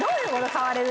「変われる？」